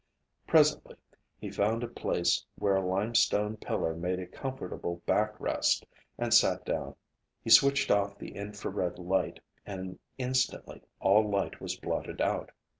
Presently he found a place where a limestone pillar made a comfortable back rest and sat down. He switched off the infrared light, and instantly all light was blotted out.